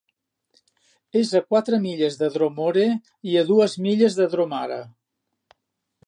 És a quatre milles de Dromore i a dues milles de Dromara.